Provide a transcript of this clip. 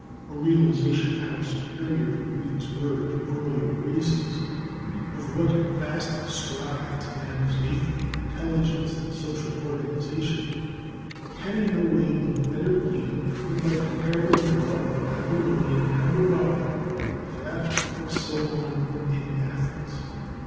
A realization of how superior the Greeks were to earlier races, of what vast strides man was making in intelligence and social organization, can in no way be better gained than by comparing the law code of the Babylonian Hammurabi with that of Solon in Athens.